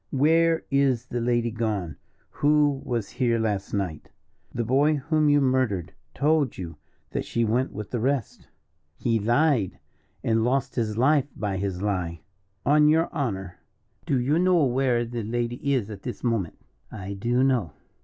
"Where is the lady gone who was here last night?" "The boy whom you murdered told you that she went with the rest." "He lied, and lost his life by his lie." "On your honour, do you know where the lady is at this moment?" "I do know."